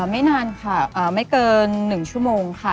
ไม่นานค่ะไม่เกิน๑ชั่วโมงค่ะ